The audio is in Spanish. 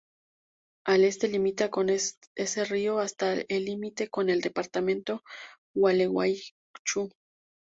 Al este limita con ese río hasta el límite con el departamento Gualeguaychú.